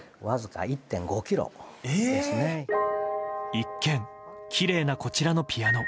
一見きれいなこちらのピアノ。